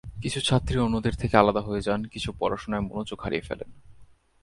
কিছু ছাত্রী অন্যদের থেকে আলাদা হয়ে যান, কিছু পড়াশোনায় মনোযোগ হারিয়ে ফেলেন।